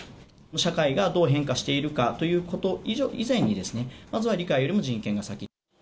社会がどう変化しているかということ以前にですね、まずは理解よりも人権が先。